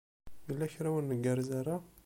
Yella kra ur ngerrez ara?